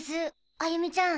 歩美ちゃん！